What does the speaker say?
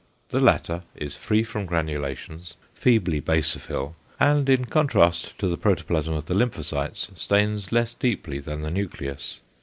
The latter is free from granulations, feebly basophil, and in contrast to the protoplasm of the lymphocytes stains less deeply than the nucleus.